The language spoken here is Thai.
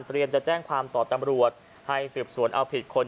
จะแจ้งความต่อตำรวจให้สืบสวนเอาผิดคน